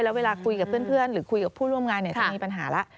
แล้วเวลาคุยกับเพื่อนหรือคุยกับผู้ร่วมงานเนี่ย